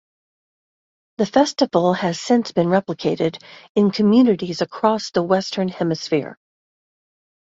The festival has since been replicated in communities across the western hemisphere.